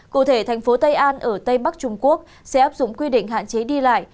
cụ thể thành phố tây an ở tây bắc trung quốc sẽ áp dụng quy định hạn chế đi lại